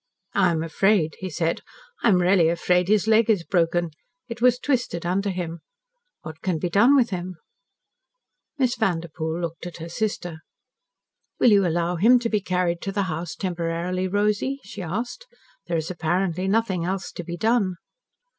"I am afraid," he said; "I am really afraid his leg is broken. It was twisted under him. What can be done with him?" Miss Vanderpoel looked at her sister. "Will you allow him to be carried to the house temporarily, Rosy?" she asked. "There is apparently nothing else to be done."